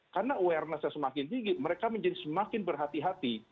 karena awareness nya semakin tinggi mereka menjadi semakin berhati hati